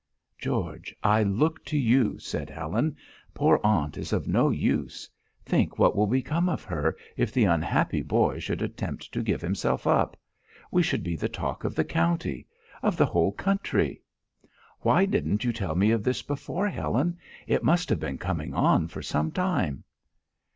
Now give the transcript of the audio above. "George, I look to you," said Helen. "Poor aunt is of no use. Think what will become of her, if the unhappy boy should attempt to give himself up! We should be the talk of the county of the whole country!" "Why didn't you tell me of this before, Helen? It must have been coming on for some time."